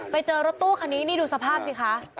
ไปเจอรถตู้คันนี้นี่ดูสภาพสิคะ